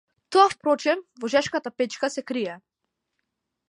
Тоа впрочем во жешката печка се крие.